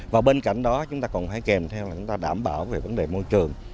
và bên cạnh đó chúng ta còn phải kèm theo là chúng ta đảm bảo về vấn đề môi trường